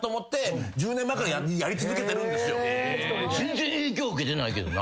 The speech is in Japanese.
全然影響受けてないけどな。